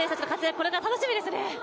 これから楽しみですね。